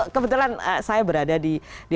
kebetulan saya berada di